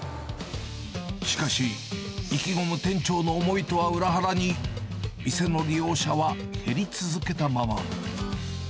しかし、意気込む店長の思いとは裏腹に、店の利用者は減り続けたまま。